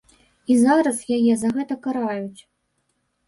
І зараз яе за гэта караюць.